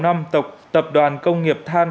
năm tập đoàn công nghiệp than